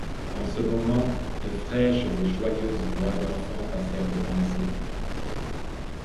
En ce moment, de fraîches et joyeuses voix d'enfants passèrent devant la cellule.